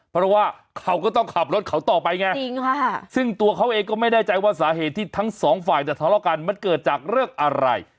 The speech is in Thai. เพราะว่าเขาก็ต้องขับรถเขาต่อไปไงซึ่งตัวเขาเองก็ไม่แน่ใจว่าสาเหตุที่ทั้งสองฝ่ายจะทะเลาะกันมันเกิดจากเรื่องอะไร